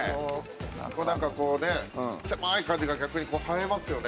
なんかこうね狭い感じが逆にこう映えますよね。